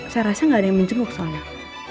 saya rasa tidak ada yang mencenguk paal